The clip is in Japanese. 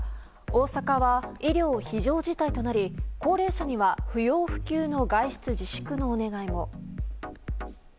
大阪は医療非常事態となり高齢者には不要不急の外出自粛のお願いも。